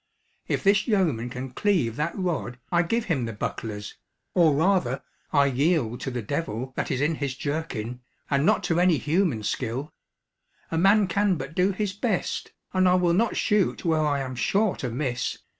If this yeoman can cleave that rod, I give him the bucklers or rather, I yield to the devil that is in his jerkin, and not to any human skill; a man can but do his best, and I will not shoot where I am sure to miss.